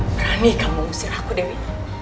berani kamu ngusir aku dewi